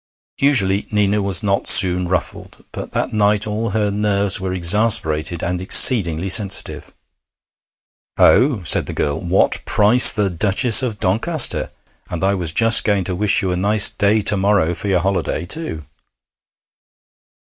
Usually Nina was not soon ruffled; but that night all her nerves were exasperated and exceedingly sensitive. 'Oh!' said the girl. 'What price the Duchess of Doncaster? And I was just going to wish you a nice day to morrow for your holiday, too.'